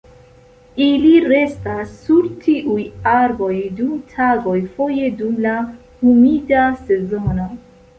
Ili restas sur tiuj arboj dum tagoj foje dum la humida sezono.